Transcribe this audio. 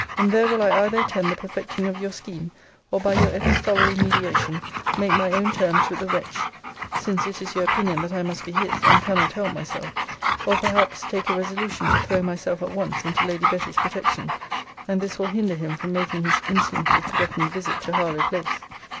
And there will I either attend the perfecting of your scheme; or, by your epistolary mediation, make my own terms with the wretch; since it is your opinion, that I must be his, and cannot help myself: or, perhaps, take a resolution to throw myself at once into Lady Betty's protection; and this will hinder him from making his insolently threatened visit to Harlowe place.